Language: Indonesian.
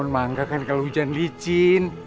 jangan kelujan licin